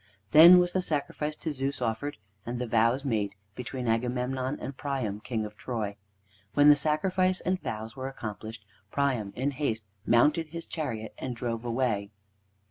Then was the sacrifice to Zeus offered, and the vows made between Agamemnon and Priam, King of Troy. When the sacrifice and vows were accomplished, Priam in haste mounted his chariot and drove away.